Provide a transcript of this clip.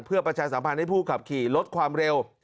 เพื่อประชาสัมพันธ์ให้ผู้ขับขี่ลดความเร็ว